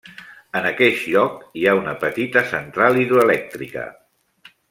En aqueix lloc, hi ha una petita central hidroelèctrica.